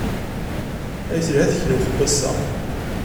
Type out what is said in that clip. Ay telha tegnewt n wass-a!